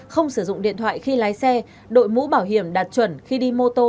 không sử dụng điện thoại khi lái xe đội mũ bảo hiểm đạt chuẩn khi đi mô tô